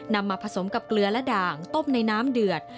นำมาผสมกับเกลือและด่างต้มในน้ำเดือด